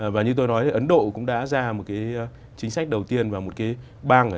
và như tôi nói thì ấn độ cũng đã ra một cái chính sách đầu tiên và một cái bang ở ấn độ đã cho ra đời một chính sách về iot